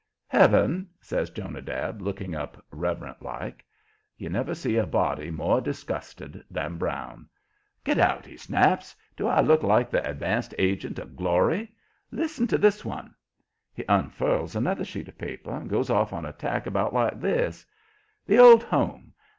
"Heaven," says Jonadab, looking up, reverent like. You never see a body more disgusted than Brown. "Get out!" he snaps. "Do I look like the advance agent of Glory? Listen to this one." He unfurls another sheet of paper, and goes off on a tack about like this: "The old home!